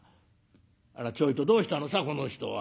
あらちょいとどうしたのさこの人は。